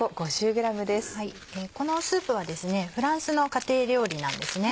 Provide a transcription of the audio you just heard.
このスープはフランスの家庭料理なんですね。